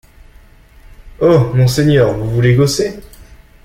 Oh! mon seigneur, vous voulez gausser !